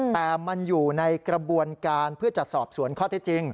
แต่มันอยู่ในกระบวนการเพื่อจะสอบสวนข้อเท็จจริง